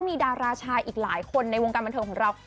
มีดาราชายอีกหลายคนในวงการบันเทิงของเรา